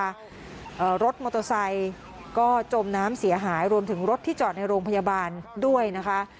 ติดขึ้นรถมอโตซัยจมน้ำเสียหายรวมถึงรถที่จอดในโรงพยาบาลด้วยนะคะ